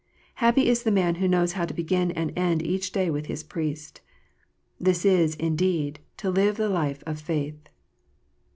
Happy is that man who knows how to begin and end each day with his Priest ! This is, indeed, to live the life of faith.